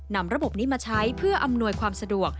นำระบบนี้มาใช้เพื่ออำนวยความสะดวก